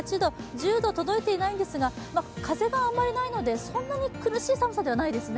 １０度に届いていないんですが、風があまりないのでそんなに苦しい寒さではないですね。